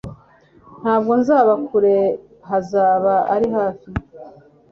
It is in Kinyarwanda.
Ntabwo nzaba kure hazaba ari hafi